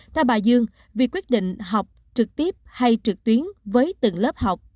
theo bà dương việc quyết định học trực tiếp hay trực tuyến với từng lớp học